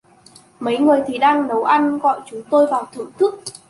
Mấy người thì đang nấu ăn gọi chúng tôi vào thưởng thức